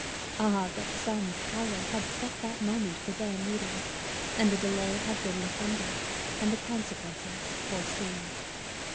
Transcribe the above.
Ah, but some Power had set that moment for their meeting, and the delay had been intended, and the consequences foreseen!